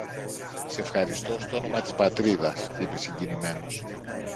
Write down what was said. Σ' ευχαριστώ στ' όνομα της Πατρίδας, είπε συγκινημένος.